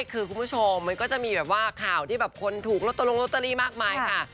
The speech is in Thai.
คือคุณผู้ชมมันก็จะมีแบบว่าข่าวที่แบบคนถูกลอตเตอรี่ลงลอตเตอรี่มากมายค่ะ